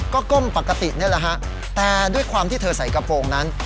ก็ก้มปกตินี่แหละฮะแต่ด้วยความที่เธอใส่กระโปรงนั้น